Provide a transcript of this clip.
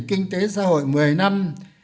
kinh tế xã hội một mươi năm